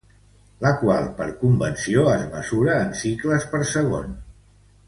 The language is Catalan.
La qual per convenció es mesura en cicles per segon.